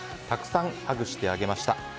たくさんハグしてあげました。